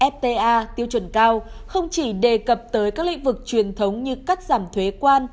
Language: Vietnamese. fta tiêu chuẩn cao không chỉ đề cập tới các lĩnh vực truyền thống như cắt giảm thuế quan